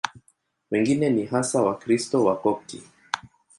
Wengine ni hasa Wakristo Wakopti.